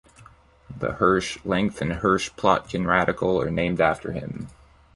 The Hirsch length and Hirsch-Plotkin radical are named after him.